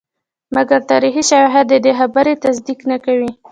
مګر تاریخي شواهد ددې خبرې تصدیق نه کوي.